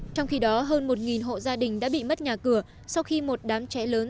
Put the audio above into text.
trong khi đó hơn một hộ gia đình đã bị mất nhà cửa sau khi một đám cháy lớn